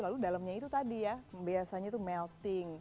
lalu dalamnya itu tadi ya biasanya itu melting